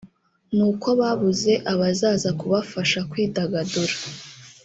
ni uko babuze abazaza kubafasha kwidagadura